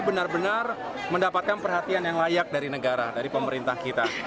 benar benar mendapatkan perhatian yang layak dari negara dari pemerintah kita